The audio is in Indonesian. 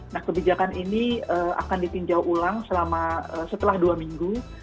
nah kebijakan ini akan ditinjau ulang setelah dua minggu